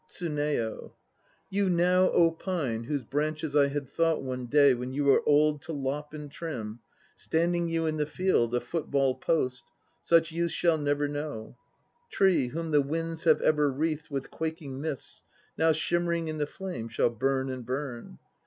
TSUNEYO. You now, pine, whose branches I had thought One day when you were old to lop and trim, Standing you in the field, a football post, 1 Such use shall never know. Tree, whom the winds have ever wreathed With quaking mists, now shimmering in the flame Shall burn and burn.